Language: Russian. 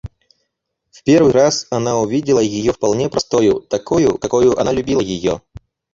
В первый раз она увидела ее вполне простою, такою, какою она любила ее.